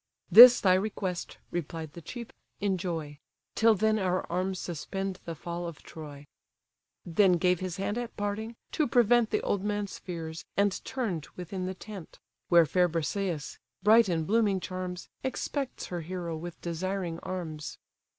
"This thy request (replied the chief) enjoy: Till then our arms suspend the fall of Troy." Then gave his hand at parting, to prevent The old man's fears, and turn'd within the tent; Where fair Briseïs, bright in blooming charms, Expects her hero with desiring arms.